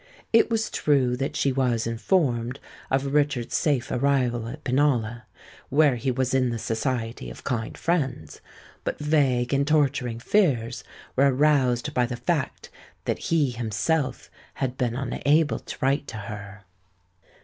It was true that she was informed of Richard's safe arrival at Pinalla, where he was in the society of kind friends; but vague and torturing fears were aroused by the fact that he himself had been unable to write to her.